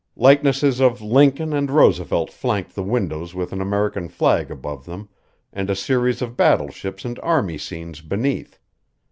Likenesses of Lincoln and Roosevelt flanked the windows with an American flag above them, and a series of battleships and army scenes beneath.